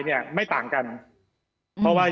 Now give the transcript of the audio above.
อันนี้ก็ชัดเจนครับว่า